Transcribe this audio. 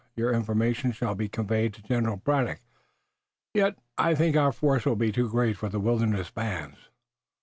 "Your information shall be conveyed to General Braddock. Yet I think our force will be too great for the wilderness bands."